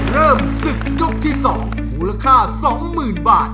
เริ่มศึกยกที่๒มูลค่า๒๐๐๐บาท